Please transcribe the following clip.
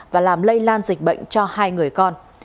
và làm lây lan dịch bệnh cho hai người con